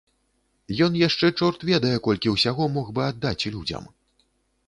Ён яшчэ чорт ведае колькі ўсяго мог бы аддаць людзям.